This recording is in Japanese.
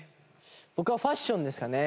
僕はファッションですかね。